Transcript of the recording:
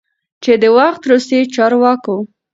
چې د وخت روسی چارواکو،